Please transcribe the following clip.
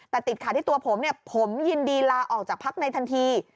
แต่ติดขาดที่ตัวผมเนี่ยผมยินดีลาออกจากพักในทันที